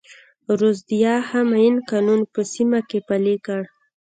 رودزیا هم عین قانون په سیمه کې پلی کړ.